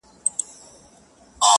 غټ بدن داسي قوي لکه زمری ؤ,